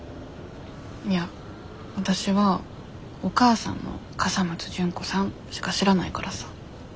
いやわたしは「お母さん」の「笠松純子さん」しか知らないからさ。